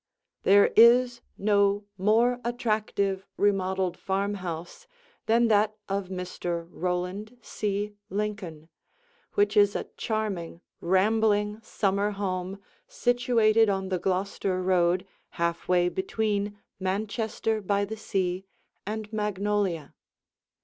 There is no more attractive remodeled farmhouse than that of Mr. Roland C. Lincoln, which is a charming, rambling, summer home situated on the Gloucester road half way between Manchester by the Sea and Magnolia.